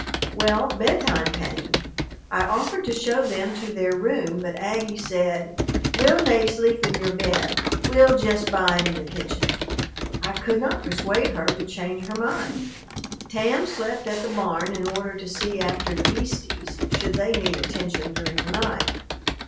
Well, bedtime came. I offered to show them to their room, but Aggie said, "We'll nae sleep in your bed. We'll jest bide in the kitchen." I could not persuade her to change her mind. Tam slept at the barn in order to see after the "beasties," should they need attention during the night.